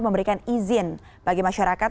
memberikan izin bagi masyarakat